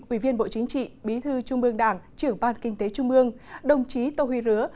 ủy viên bộ chính trị bí thư trung ương đảng trưởng ban kinh tế trung mương đồng chí tô huy rứa